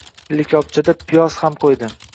Likopchada piyoz ham qo‘ydi.